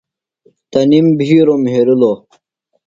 تنِم بِھیروۡ مھیرِلوۡ۔